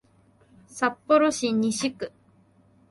札幌市西区